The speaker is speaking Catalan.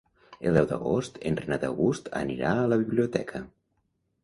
El deu d'agost en Renat August anirà a la biblioteca.